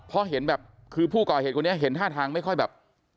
เพราะเห็นแบบคือผู้ก่อเหตุคนนี้เห็นท่าทางไม่ค่อยแบบ